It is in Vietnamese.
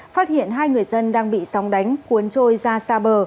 phát hiện hai người dân đang bị sóng đánh cuốn trôi ra xa bờ